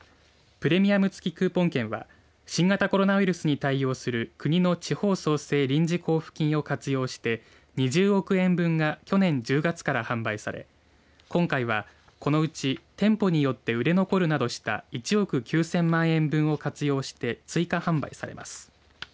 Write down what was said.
プレミアム付きクーポン券は新型コロナウイルスに対応する国の地方創生臨時交付金を活用して２０億円分が去年１０月から販売され今回は、このうち店舗によって売れ残るなどした１億９０００万円分を活用して追加販売されます。